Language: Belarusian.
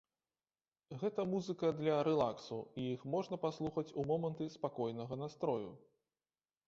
Гэта музыка для рэлаксу, і іх можна паслухаць ў моманты спакойнага настрою.